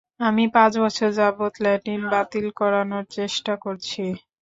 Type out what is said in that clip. আমি পাঁচ বছর যাবৎ ল্যাটিন বাতিল করানোর চেষ্টা করছি।